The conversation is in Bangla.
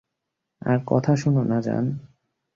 তার কথা শুনো না, জান।